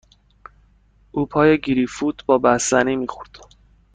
او پای گریپ فروت با بستنی می خورد.